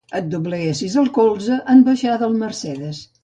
Et dobleguessis el colze en baixar del Mercedes.